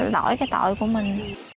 đổi cái tội của mình